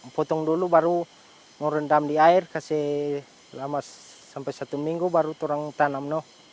potong dulu baru merendam di air kasih lama sampai satu minggu baru kita tanam